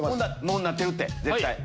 もうなってるって。